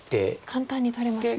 簡単に取れますね。